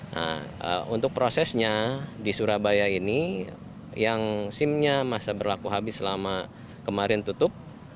nah untuk prosesnya di surabaya ini yang sim nya masa berlaku habis selama kemarin tutup